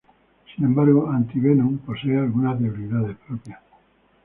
Sin embargo, Anti-Venom posee algunas debilidades propias.